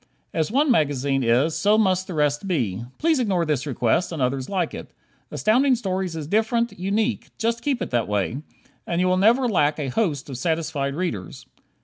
As one magazine is, so must the rest be. Please ignore this request, and others like it. Astounding Stories is different, unique; just keep it that way, and you will never lack a host of satisfied readers.